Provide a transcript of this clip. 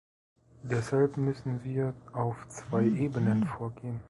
Deshalb müssen wir auf zwei Ebenen vorgehen.